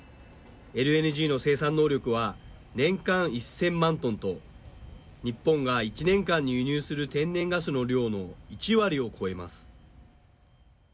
ＬＮＧの生産能力は年間１０００万トンと日本が１年間に輸入する天然ガスの量の１割を超えます。